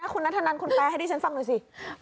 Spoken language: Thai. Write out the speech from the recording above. คุณนัฐนัยคุณแปร่ให้ที่ชั้นฟังดูสิ